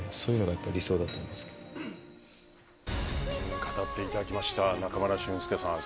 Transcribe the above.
語っていただきました中村俊輔さん。